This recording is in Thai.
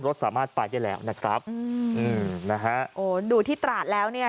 สามารถไปได้แล้วนะครับอืมอืมนะฮะโอ้ดูที่ตราดแล้วเนี่ย